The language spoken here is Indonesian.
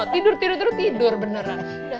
tidur tidur tidur beneran